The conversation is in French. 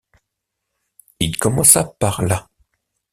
Il commença par là.